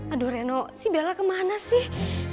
aduh reno sih bella kemana sih